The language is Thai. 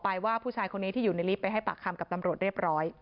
ว่าผู้ชายคนนี้ที่อยู่ในลิฟต์ไปให้ปากคำกับตำรวจเรียบร้อย